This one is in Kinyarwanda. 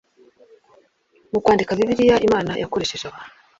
Mu kwandika Bibiliya Imana yakoresheje abantu